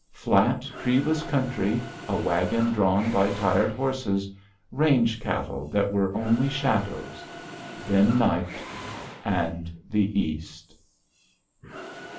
Flat, treeless country, a wagon drawn by tired horses, range cattle that were only shadows. Then night and the East.